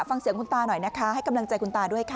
ฟังเสียงคุณตาหน่อยนะคะให้กำลังใจคุณตาด้วยค่ะ